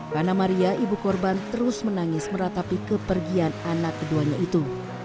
karena maria ibu korban terus menangis meratapi kepergian anak keduanya itu